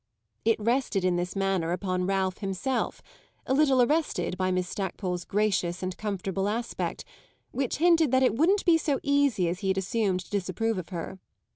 It rested in this manner upon Ralph himself, a little arrested by Miss Stackpole's gracious and comfortable aspect, which hinted that it wouldn't be so easy as he had assumed to disapprove of her.